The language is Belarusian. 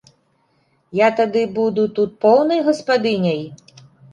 Я тады буду тут поўнай гаспадыняй?